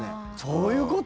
そういうこと？